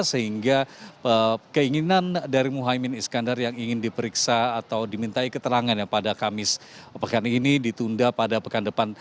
sehingga keinginan dari muhaymin iskandar yang ingin diperiksa atau dimintai keterangan yang pada kamis pekan ini ditunda pada pekan depan